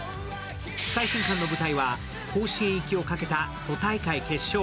最新巻の舞台は、甲子園行きをかけた都大会決勝。